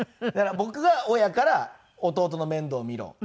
だから僕が親から「弟の面倒を見ろ」。